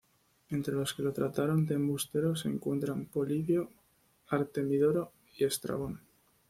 Entre los que lo trataron de embustero se encuentran Polibio, Artemidoro y Estrabón.